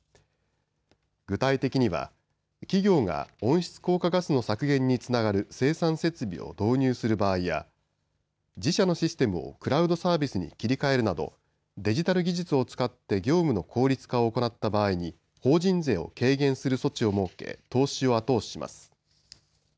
具体的には企業が温室効果ガスの削減につながる生産設備を導入する場合や自社のシステムをクラウドサービスに切り替えるなどデジタル技術を使って業務の効率化を行った場合に法人税を軽減する措置を設け投資を後押しします。